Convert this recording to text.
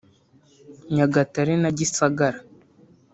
Nyagatare na Gisagara